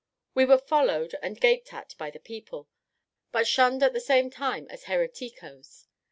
We were followed and gaped at by the people; but shunned at the same time as "hereticos."